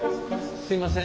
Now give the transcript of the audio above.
すいません。